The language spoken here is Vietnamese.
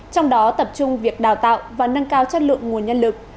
trong đó tập trung việc đào tạo và nâng cao chất lượng nguồn nhân lực